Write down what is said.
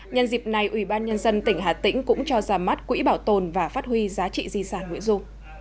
nhân dịp này ubnd tỉnh hà tĩnh cũng cho ra mắt quỹ bảo tồn và phát huy giá trị di sản nguyễn du